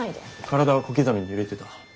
体は小刻みに揺れてた。